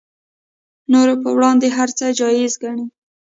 نورو پر وړاندې هر څه جایز ګڼي